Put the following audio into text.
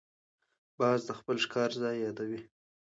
باز د خپل ښکار ځای یادوي